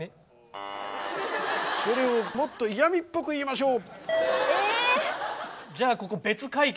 それをもっと嫌みっぽく言いましょう。